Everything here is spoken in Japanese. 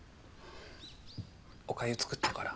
おかゆ作ったから。